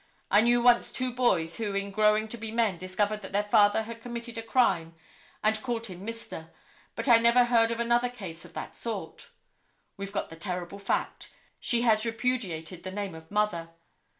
I knew once two boys who in growing to be men discovered that their father had committed a crime and called him Mr., but I never heard of another case of that sort. We've got the terrible fact. She has repudiated the name of mother.